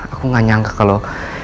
aku tidak menyangka kalau